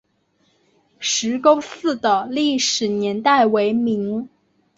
石沟寺的历史年代为明。